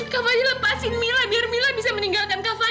kak fadil lepasin mila biar mila bisa meninggalkan kak fadil